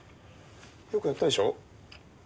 よくやったでしょ？